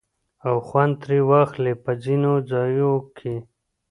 او خوند ترې واخلي په ځينو ځايو کې